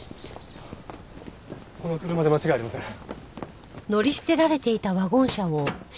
この車で間違いありません。